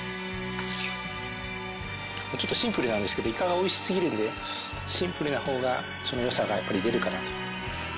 ちょっとシンプルなんですけどイカがおいしすぎるんでシンプルな方がその良さがやっぱり出るかなと。